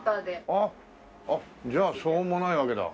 ああじゃあ騒音もないわけだ。